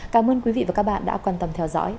cảm ơn quý vị và các bạn đã quan tâm theo dõi